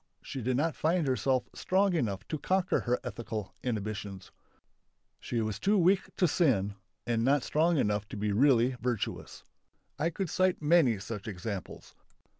She did not find herself strong enough to conquer her ethical inhibitions. She was too weak to sin and not strong enough to be really virtuous. I could cite many such examples.